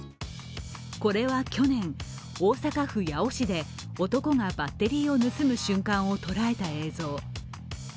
これは去年、大阪府八尾市で男がバッテリーを盗む瞬間を捉えた映像。